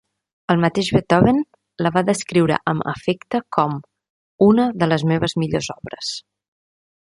El mateix Beethoven la va descriure amb afecte com "una de les meves millors obres".